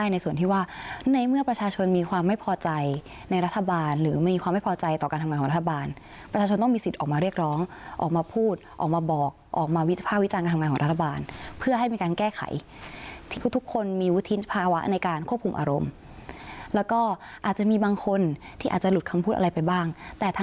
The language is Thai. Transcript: ในส่วนที่ว่าในเมื่อประชาชนมีความไม่พอใจในรัฐบาลหรือมีความไม่พอใจต่อการทำงานของรัฐบาลประชาชนต้องมีสิทธิ์ออกมาเรียกร้องออกมาพูดออกมาบอกออกมาวิภาควิจารณ์การทำงานของรัฐบาลเพื่อให้มีการแก้ไขที่ทุกคนมีวุฒิภาวะในการควบคุมอารมณ์แล้วก็อาจจะมีบางคนที่อาจจะหลุดคำพูดอะไรไปบ้างแต่ท